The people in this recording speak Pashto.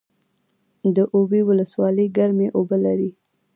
د اوبې ولسوالۍ ګرمې اوبه لري